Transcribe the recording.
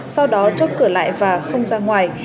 họ chốt cửa lại và không ra ngoài